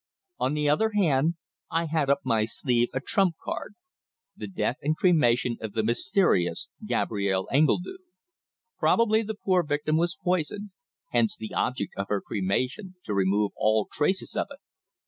On the other hand, I had up my sleeve a trump card the death and cremation of the mysterious Gabrielle Engledue. Probably the poor victim was poisoned hence the object of her cremation to remove all traces of it!